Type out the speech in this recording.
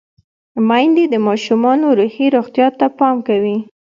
میندې د ماشومانو روحي روغتیا ته پام کوي۔